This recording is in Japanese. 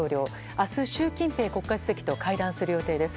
明日、習近平国家主席と会談する予定です。